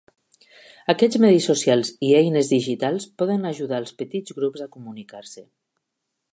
Aquests medis socials i eines digitals poden ajudar als petits grups a comunicar-se.